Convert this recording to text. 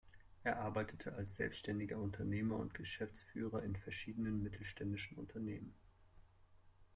Er arbeitete als selbständiger Unternehmer und Geschäftsführer in verschiedenen mittelständischen Unternehmen.